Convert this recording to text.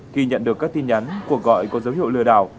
khi nhận được các tin nhắn cuộc gọi có dấu hiệu lừa đảo